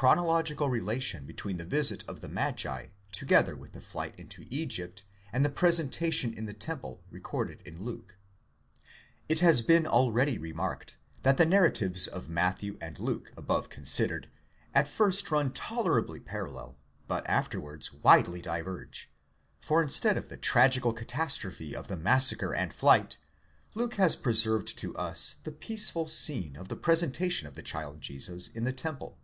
CHRONOLOGICAL RELATION BEEWEEN THE VISIT OF THE MAGI, TOGETHER WITH THE FLIGHT INTO EGYPT, AND THE PRESENTATION IN THE TEMPLE RECORDED BY LUKE. It has been already remarked, that the narratives of Matthew and Luke above considered at first run tolerably parallel, but afterwards widely diverge ; for instead of the tragical catastrophe of the massacre and flight, Luke has preserved to us the peaceful scene of the presentation of the child Jesus in the temple.